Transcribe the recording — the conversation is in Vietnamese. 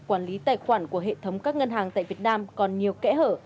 quản lý tài khoản của hệ thống các ngân hàng tại việt nam còn nhiều kẽ hở